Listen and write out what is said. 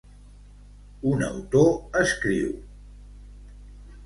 Un autor escriu: